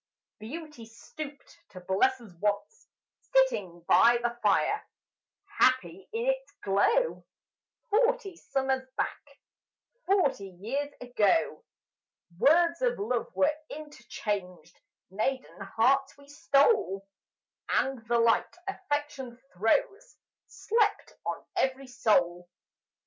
Beauty stooped to bless us once, Sitting by the fire, Happy in its glow; Forty summers back Forty years ago. Words of love were interchanged, Maiden hearts we stole; And the light affection throws Slept on every soul.